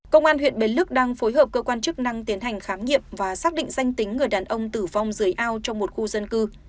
công an huyện bến lức đang phối hợp cơ quan chức năng tiến hành khám nghiệm và xác định danh tính người đàn ông tử vong dưới ao trong một khu dân cư